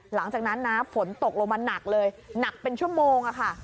หลังจากนั้นนะฝนตกลงมาหนักเลยหนักเป็นชั่วโมงค่ะ